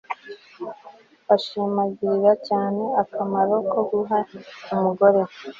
bashimangiraga cyane akamaro ko guha umugore